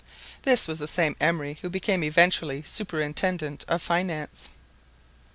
This was the same Emery who became eventually superintendent of finance.